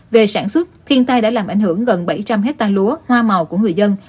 về sản xuất thiên tai đã làm ảnh hưởng gần bảy trăm linh hectare lúa hoa màu của người dân